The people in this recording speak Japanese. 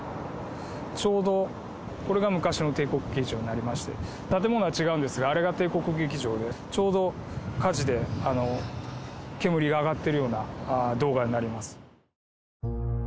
ちょうどこれが昔の帝国劇場になりまして、建物は違うんですが、あれが帝国劇場で、ちょうど火事で煙が上がってるような動画になります。